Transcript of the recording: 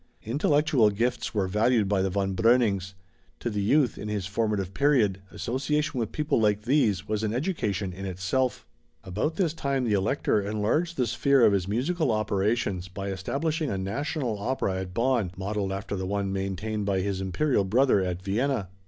Intellectual gifts were valued by the Von Breunings; to the youth, in his formative period, association with people like these was an education in itself. About this time the Elector enlarged the sphere of his musical operations by establishing a national opera at Bonn, modeled after the one maintained by his imperial brother at Vienna.